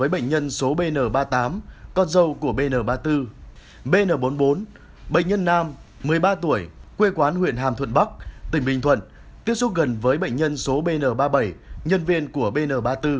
bệnh nhân số bn ba mươi tám con dâu của bn ba mươi bốn bn bốn mươi bốn bệnh nhân nam một mươi ba tuổi quê quán huyện hàm thuận bắc tỉnh bình thuận tiếp xúc gần với bệnh nhân số bn ba mươi bảy nhân viên của bn ba mươi bốn